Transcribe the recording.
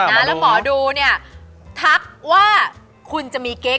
แล้วหมอดูเนี่ยทักว่าคุณจะมีเก๊ก